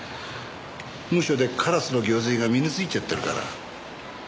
ムショでカラスの行水が身についちゃってるから。